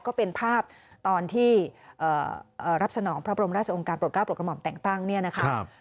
ก็เป็นภาพตอนที่รับสนองพระบรมราชองค์การโปรดก้าวโปรดกระหม่อมแต่งตั้งเนี่ยนะคะ